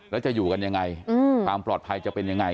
แล้วจะอยู่กันยังไงความปลอดภัยจะเป็นยังไง